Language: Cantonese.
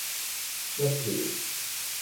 一條